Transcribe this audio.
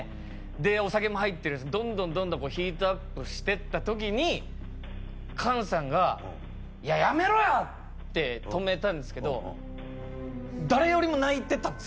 でお酒も入ってるしどんどんどんどんヒートアップしてった時に菅さんが「やめろよ！」って止めたんですけど誰よりも泣いてたんです